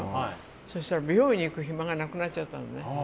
そうしたら、美容院に行く暇がなくなっちゃったのね